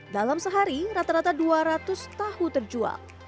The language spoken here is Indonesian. dalam sehari rata rata dua ratus tahu terjual